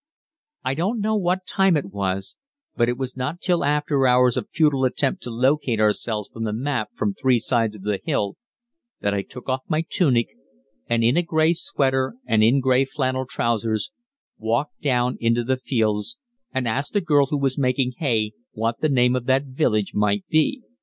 I don't know what time it was, but it was not till after hours of futile attempt to locate ourselves from the map from three sides of the hill, that I took off my tunic, and in a gray sweater and in gray flannel trousers walked down into the fields and asked a girl who was making hay what the name of that village might be.